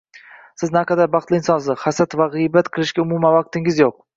Siz naqadar baxtli insonsiz: hasad va g‘iybat qilishga umuman vaqtingiz yo‘q.